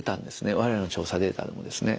我々の調査データでもですね。